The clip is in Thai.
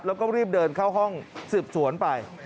แล้วก็รีบเดินเข้าห้องสืบสวนไป